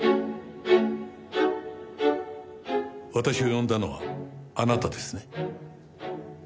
私を呼んだのはあなたですね？